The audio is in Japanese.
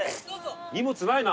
荷物ないな。